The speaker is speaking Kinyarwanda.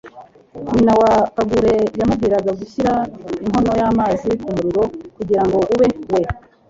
nyina wa kagure yamubwiraga gushyira inkono y'amazi kumuriro kugirango ube. we